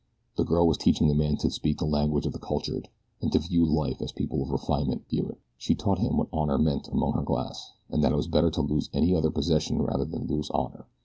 The girl was teaching the man to speak the language of the cultured, and to view life as people of refinement view it. She taught him what honor meant among her class, and that it was better to lose any other possession rather than lose honor.